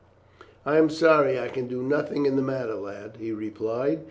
"I am sorry I can do nothing in the matter, lad," he replied.